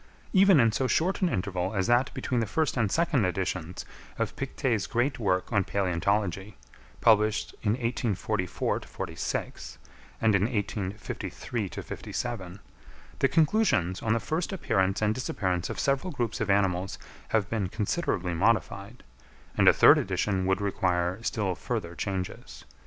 Even in so short an interval as that between the first and second editions of Pictet's great work on Palæontology, published in 1844 46 and in 1853 57, the conclusions on the first appearance and disappearance of several groups of animals have been considerably modified; and a third edition would require still further changes.